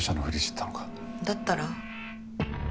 だったら？